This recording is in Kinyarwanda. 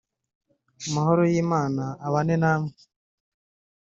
amahoro y'Imana abane namwe